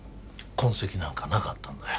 痕跡なんかなかったんだよ